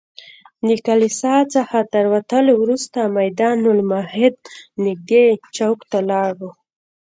له کلیسا څخه تر وتلو وروسته میدان المهد نږدې چوک ته لاړو.